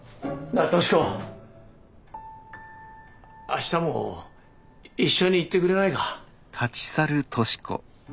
明日も一緒に行ってくれないか。